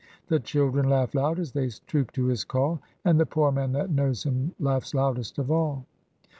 The children laugh loud as they troop to his call, And the poor man that knows him laughs loudest of all."